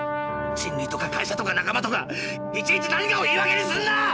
人類とか会社とか仲間とかいちいち何かを言い訳にするな！